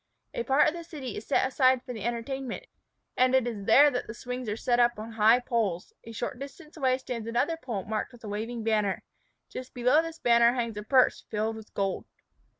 A part of the city is set aside for the entertainment, and it is there that the swings are set up on high poles. A short distance away stands another pole marked with a waving banner. Just below this banner hangs a purse filled with gold.